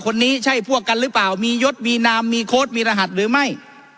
คนนี้ใช่พวกกันหรือเปล่ามียศมีนามมีโค้ดมีรหัสหรือไม่